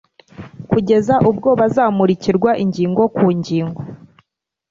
kugeza ubwo bazamurikirwa ingingo ku ngingo,